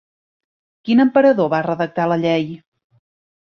Quin emperador va redactar la llei?